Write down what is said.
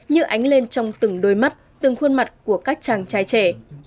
như ánh lên trong từng đôi mắt từng khuôn mặt của các chàng trai trẻ